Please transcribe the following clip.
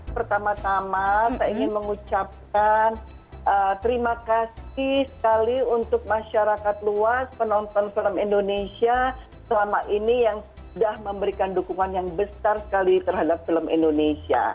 pertama tama saya ingin mengucapkan terima kasih sekali untuk masyarakat luas penonton film indonesia selama ini yang sudah memberikan dukungan yang besar sekali terhadap film indonesia